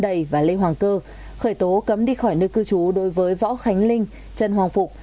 trần văn động và lê hoàng cơ khởi tố cấm đi khỏi nơi cư trú đối với võ khánh linh trần hoàng phục